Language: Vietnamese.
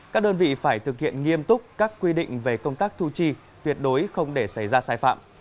các đơn vị phải thực hiện nghiêm túc các quy định về công tác thu chi tuyệt đối không để xảy ra sai phạm